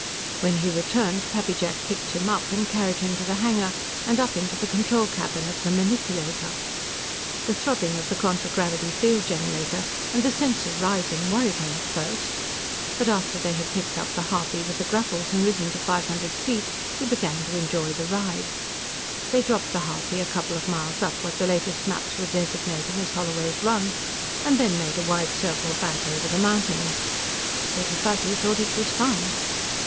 When he returned, Pappy Jack picked him up and carried him to the hangar and up into the control cabin of the manipulator. The throbbing of the contragravity field generator and the sense of rising worried him at first, but after they had picked up the harpy with the grapples and risen to five hundred feet he began to enjoy the ride. They dropped the harpy a couple of miles up what the latest maps were designating as Holloway's Run, and then made a wide circle back over the mountains. Little Fuzzy thought it was fun.